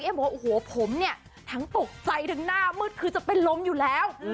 เพราะผมเนี่ยทั้งตกใจทั้งหน้ามืดคือจะเป็นล้มอยู่แล้ว